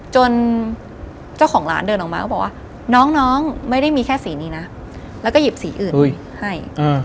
เจ้าของร้านเดินออกมาก็บอกว่าน้องไม่ได้มีแค่สีนี้นะแล้วก็หยิบสีอื่นให้